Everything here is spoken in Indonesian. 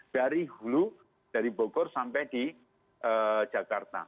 dari hulu dari bogor sampai di jakarta